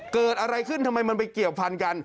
เกิดอะไรขึ้นทำไมมันไปเกี่ยวพันกัน